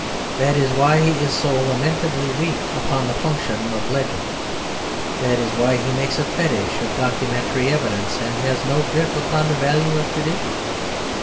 That is why he is so lamentably weak upon the function of legend; that is why he makes a fetish of documentary evidence and has no grip upon the value of tradition.